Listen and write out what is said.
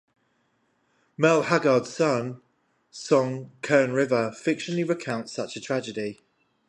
Merle Haggard's song "Kern River" fictionally recounts such a tragedy.